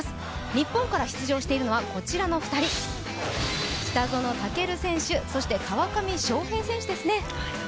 日本から出場しているのはこちらの２人、北園丈琉選手、川上翔平選手ですね